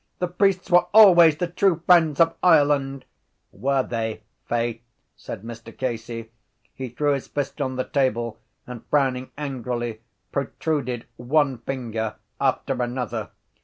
The priests were always the true friends of Ireland. —Were they, faith? said Mr Casey. He threw his fist on the table and, frowning angrily, protruded one finger after another.